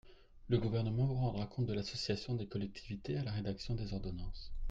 Le Gouvernement vous rendra compte de l’association des collectivités à la rédaction des ordonnances.